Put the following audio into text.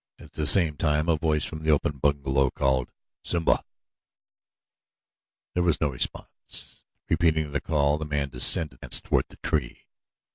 At the same time a voice from the open bungalow door called: "Simba!" There was no response. Repeating the call the man descended the steps and advanced toward the tree.